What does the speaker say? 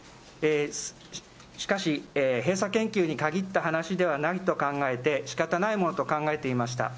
しかし、閉鎖研究に限った話ではないと考えて、しかたないものと考えていました。